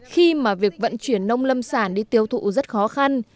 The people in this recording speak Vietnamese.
khi mà việc vận chuyển nông lâm sản đi tiêu thụ rất khó khăn